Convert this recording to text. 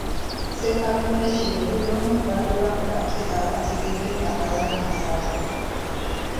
Ssekabembe Kiberu y'omu ku batuula ku kakiiko akategeka empaka z'amasaza.